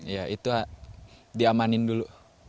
ya itu diamanin dulu